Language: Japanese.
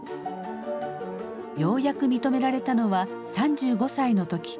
ようやく認められたのは３５歳の時。